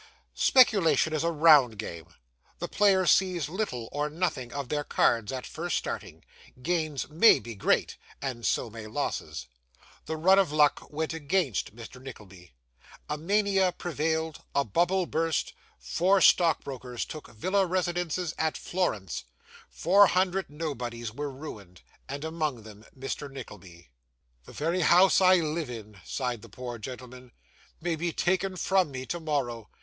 Speculation is a round game; the players see little or nothing of their cards at first starting; gains MAY be great and so may losses. The run of luck went against Mr. Nickleby. A mania prevailed, a bubble burst, four stock brokers took villa residences at Florence, four hundred nobodies were ruined, and among them Mr. Nickleby. 'The very house I live in,' sighed the poor gentleman, 'may be taken from me tomorrow.